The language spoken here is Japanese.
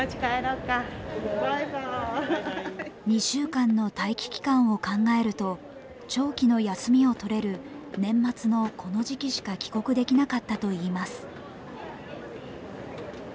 ２週間の待機期間を考えると長期の休みを取れる年末のこの時期しか帰国できなかったといいます。